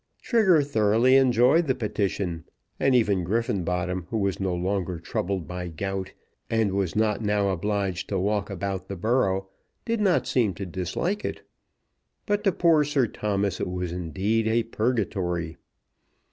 Trigger thoroughly enjoyed the petition; and even Griffenbottom, who was no longer troubled by gout, and was not now obliged to walk about the borough, did not seem to dislike it. But to poor Sir Thomas it was indeed a purgatory.